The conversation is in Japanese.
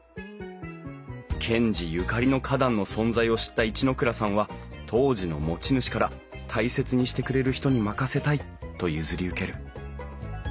賢治ゆかりの花壇の存在を知った一ノ倉さんは当時の持ち主から大切にしてくれる人に任せたいと譲り受ける。